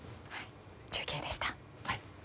中継でした。